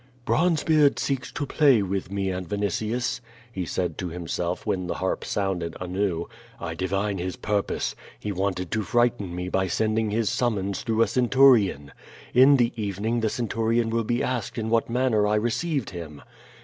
"Bronzebeard seeks to play with me and Vinitius," he said to himself when the harp sounded anew. "I divine his pur pose. He wanted to frighten me by sending his summons through a centurion. In the evening the centurion will be asked in what manner I received him.